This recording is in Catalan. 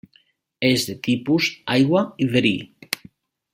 És de tipus aigua i verí.